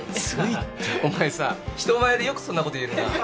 お前さ人前でよくそんなこと言えるな？